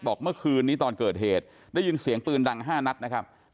เมื่อคืนนี้ตอนเกิดเหตุได้ยินเสียงปืนดัง๕นัดนะครับ